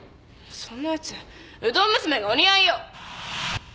そんなやつうどん娘がお似合いよ。